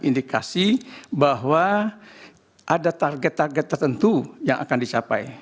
indikasi bahwa ada target target tertentu yang akan dicapai